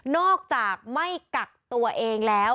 อกจากไม่กักตัวเองแล้ว